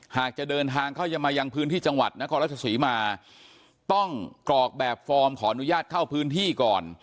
หากจะเดินทางเข้ายังมายังพื้นที่จังหวัดนครราชศรีมาต้องกรอกแบบฟอร์มขออนุญาตเข้าพื้นที่ก่อน